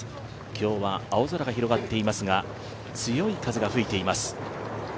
今日は青空が広がっていますが強い風が吹いています。